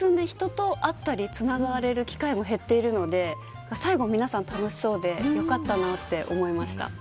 ここ数年、人と会ったりつながれる機会も減っているので最後、皆さん楽しそうでよかったなと思いました。